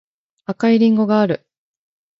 赤いりんごがある